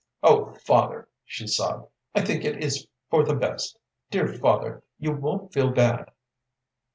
"Oh, father!" she sobbed, "I think it is for the best. Dear father, you won't feel bad."